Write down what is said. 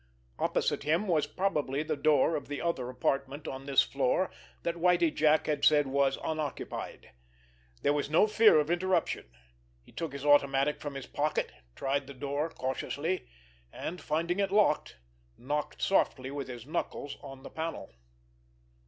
Opposite him was probably the door of the other apartment on this floor that Whitie Jack had said was unoccupied. There was no fear of interruption. He took his automatic from his pocket, tried the door cautiously, and finding it locked, knocked softly with his knuckles on the panel.